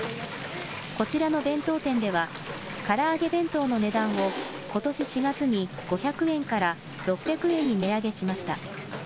こちらの弁当店ではから揚げ弁当の値段をことし４月にに５００円から６００円に値上げしました。